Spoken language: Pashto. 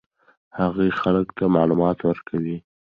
هغې خلکو ته معلومات ورکوي.